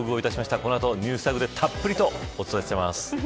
この後、ＮｅｗｓＴａｇでたっぷりお伝えします。